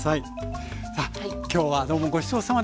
さあ今日はどうもごちそうさまでした。